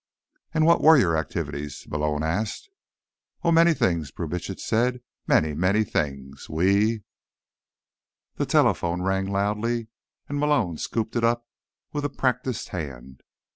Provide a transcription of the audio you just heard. "And what were your activities?" Malone asked. "Oh, many things," Brubitsch said. "Many, many things. We—" The telephone rang loudly, and Malone scooped it up with a practiced hand.